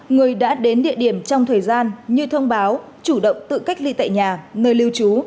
người đã đến địa điểm trong thời gian như thông báo chủ động tự cách ly tại nhà nơi lưu trú